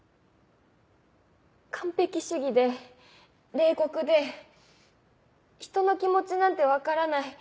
完璧主義で冷酷で人の気持ちなんて分からない